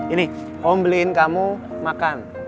ini om beliin kamu makan